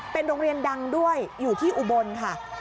เป็นโรงเรียนดังด้วยอยู่ที่อุบลค่ะ